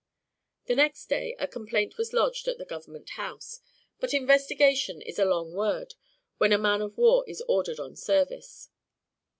The next day, a complaint was lodged at the government house; but investigation is a long word when a man of war is ordered on service.